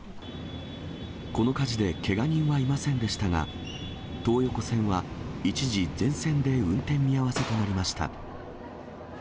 この火事でけが人はいませんでしたが、東横線は一時、全線で運転見合わせとなりました。